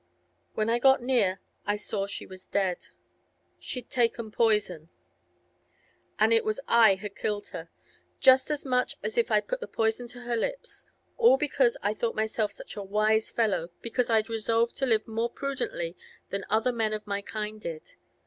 When I got near I saw she was dead. She'd taken poison. 'And it was I had killed her, just as much as if I'd put the poison to her lips. All because I thought myself such a wise fellow, because I'd resolved to live more prudently than other men of my kind did.